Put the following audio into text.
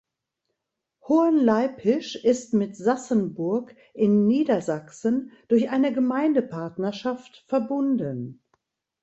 Hohenleipisch ist mit Sassenburg in Niedersachsen durch eine Gemeindepartnerschaft verbunden.